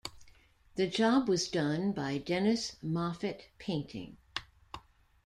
The job was done by Dennis Moffitt Painting.